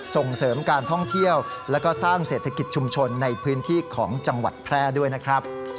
ส่งเสริมการท่องเที่ยวและก็สร้างเศรษฐกิจชุมชนในพื้นที่ของจังหวัดแพร่ด้วยนะครับ